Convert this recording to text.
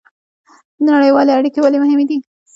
نړیوالې اړیکې ولې مهمې دي؟